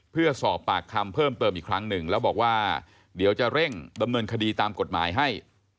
เพื่อสอบปากคำเพิ่มเติมอีกครั้งหนึ่งแล้วบอกว่าเดี๋ยวจะเร่งดำเนินคดีตามกฎหมายให้